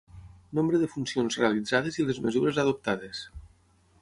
Nombre de funcions realitzades i les mesures adoptades.